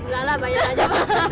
gak lah banyak aja